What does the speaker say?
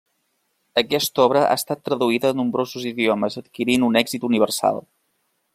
Aquesta obra ha estat traduïda a nombrosos idiomes adquirint un èxit universal.